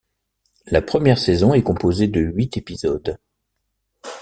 La première saison est composée de huit épisodes.